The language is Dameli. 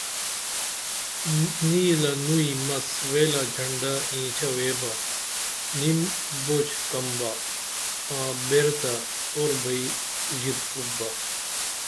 نیلہ نوئی مس ویلہ جھنڈا اینچ ویبا نیم بوجھ کم با آں بِریتہ اُر بئی ژیت اُوب با